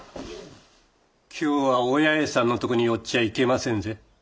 今日はお八重さんのとこに寄っちゃいけませんぜ。